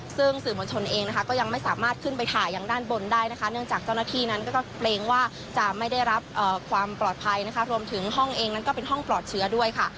ซึ่งสื่อมวลชนเองนะคะก็ยังไม่สามารถขึ้นไปถ่ายยังด้านบนได้นะคะเนื่องจากเจ้าหน้าที่นั้นก็เกรงว่าจะไม่ได้รับความปลอดภัยนะคะรวมถึงห้องเองนั้นก็เป็นห้องปลอดเชื้อด้วยค่ะ